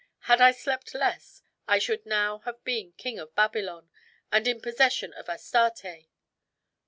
Had I slept less, I should now have been King of Babylon and in possession of Astarte.